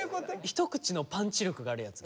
一口のパンチ力があるやつ。